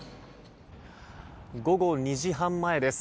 午後２時半前です。